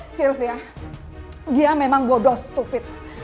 sylvia dia memang bodoh stupid